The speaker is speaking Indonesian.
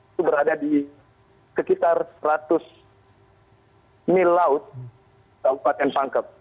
itu berada di sekitar seratus mil laut kabupaten pangkep